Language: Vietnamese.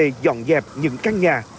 chúng tôi dọn dẹp những căn nhà